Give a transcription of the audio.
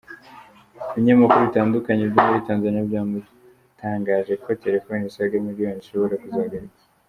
Ibinyamakuru bitandukanye byo muri Tanzania byatangaje ko telefone zisaga miliyoni zishobora kuzahagarikwa.